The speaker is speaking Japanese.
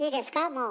もう。